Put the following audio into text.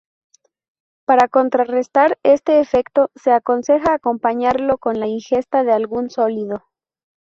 Para contrarrestar este efecto se aconseja acompañarlo con la ingesta de algún sólido.